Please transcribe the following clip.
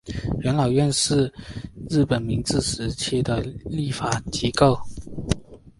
元老院是日本明治时代的立法机构。